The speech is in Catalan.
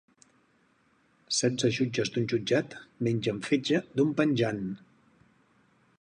Setze jutges d'un jutjat mengen fetge d'un penjant.